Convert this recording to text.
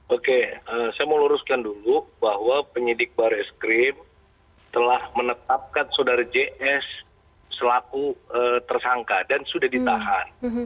oke saya mau luruskan dulu bahwa penyidik baris krim telah menetapkan saudara js selaku tersangka dan sudah ditahan